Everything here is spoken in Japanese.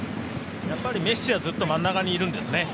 やっぱりメッシはずっと真ん中にいるんですね。